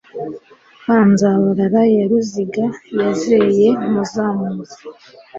Ka Nzabarara ya Ruziga, Yazeye Muzamuzi.